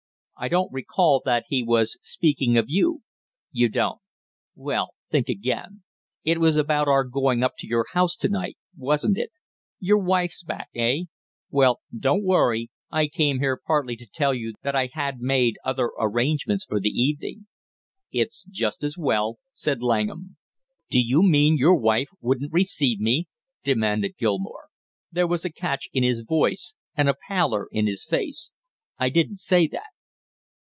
"I don't recall that he was speaking of you." "You don't? Well, think again. It was about our going up to your house to night, wasn't it? Your wife's back, eh? Well, don't worry, I came here partly to tell you that I had made other arrangements for the evening." "It's just as well," said Langham. "Do you mean your wife wouldn't receive me?" demanded Gilmore. There was a catch in his voice and a pallor in his face. "I didn't say that."